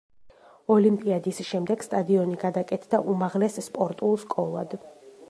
ოლიმპიადის შემდეგ სტადიონი გადაკეთდა უმაღლეს სპორტულ სკოლად.